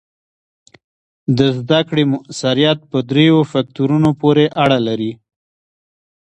د زده کړې مؤثریت په دریو فکتورونو پورې اړه لري.